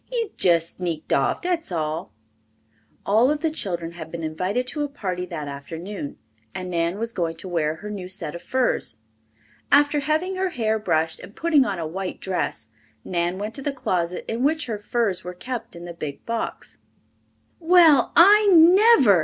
"He's jess sneaked off, dat's all." All of the children had been invited to a party that afternoon and Nan was going to wear her new set of furs. After having her hair brushed, and putting on a white dress, Nan went to the closet in which her furs were kept in the big box. "Well, I never!"